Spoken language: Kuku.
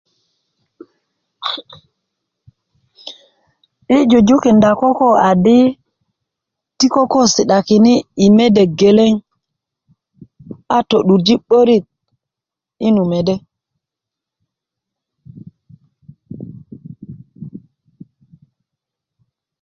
yi jujukinda koko adi ti koko si'dakini i mede geleŋ a to'durji 'börik i nu mede